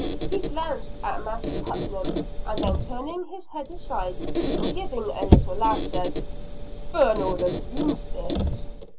He glanced at Master Putnam, and then turning his head aside, and giving a little laugh, said, "Burn all the broomsticks."